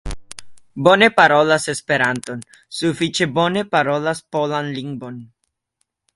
Bone parolas esperanton, sufiĉe bone parolas polan lingvon.